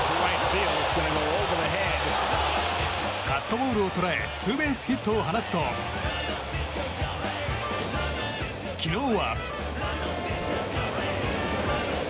カットボールを捉えツーベースヒットを放つと昨日は。